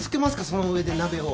その上で鍋を。